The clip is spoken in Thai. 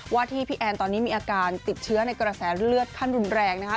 ว่าที่พี่แอนตอนนี้มีอาการติดเชื้อในกระแสเลือดขั้นรุนแรงนะคะ